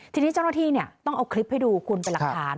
ทีนี้เจ้าหน้าที่ต้องเอาคลิปให้ดูคุณเป็นหลักฐาน